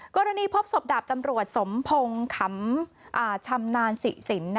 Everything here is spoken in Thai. กรณีพบศพดาบตำรวจสมพงขำชำนาญสิสิน